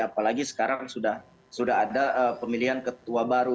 apalagi sekarang sudah ada pemilihan ketua baru